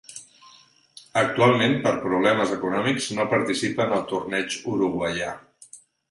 Actualment, per problemes econòmics, no participa en el torneig uruguaià.